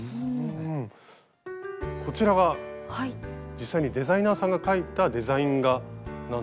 こちらが実際にデザイナーさんが描いたデザイン画なんですが。